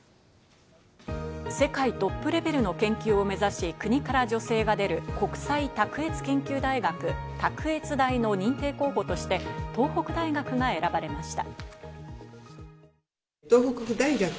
世界トップレベルの研究を目指し、国から助成が出る「国際卓越研究大学」＝卓越大の認定候補として東北大学が選ばれました。